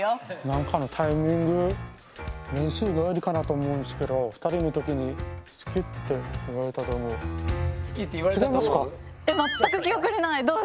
何かのタイミング練習帰りかなと思うんですけど好きって言われたと思う？